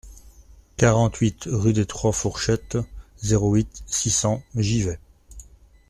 quarante-huit rue des trois Fourchettes, zéro huit, six cents, Givet